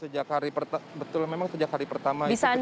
ya betul memang sejak hari pertama